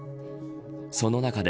その中で